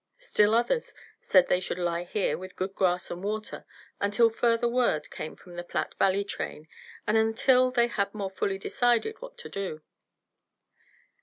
Still others said they all should lie here, with good grass and water, until further word came from the Platte Valley train and until they had more fully decided what to do.